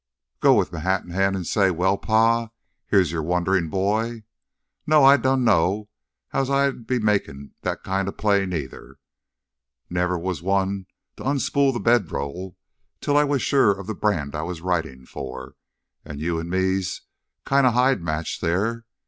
"Go with m' hat in hand an' say, 'Well, Pa, here's your wanderin' boy'? No, I dunno as how I'd be makin' that kinda play neither. Never was one to unspool th' bedroll till I was sure o' th' brand I was ridin' for. An' you an' me's kinda hide matched there.